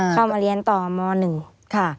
เข้ามาเรียนต่อม๑ค่ะ